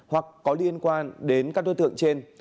hoặc có liên quan đến các đối tượng trên